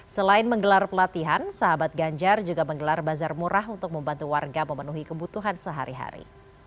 selain menggelar pelatihan sahabat ganjar juga menggelar bazar murah untuk membantu warga memenuhi kebutuhan sehari hari